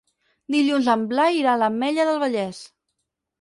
Dilluns en Blai irà a l'Ametlla del Vallès.